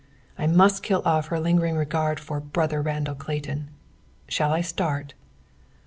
I must kill off her lingering regard for 'Brother Randall Clayton!' Shall I start?"